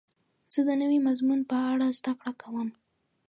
زه د نوي مضمون په اړه زده کړه کوم.